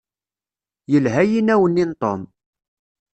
Yelha yinaw-nni n Tom.